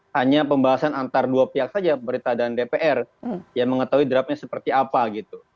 hanya pembahasan antara dua pihak saja berita dan dpr yang mengetahui draftnya seperti apa gitu